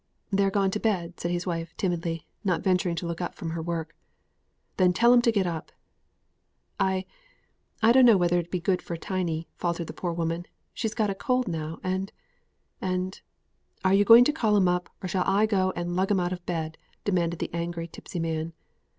"They're gone to bed," said his wife, timidly, not venturing to look up from her work. "Then tell 'em to get up." "I I dunno whether it 'ud be good for Tiny," faltered the poor woman; "she's got a cold now, and and " "Are you going to call 'em up, or shall I go and lug 'em out of bed?" demanded the angry, tipsy man.